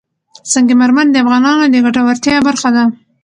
سنگ مرمر د افغانانو د ګټورتیا برخه ده.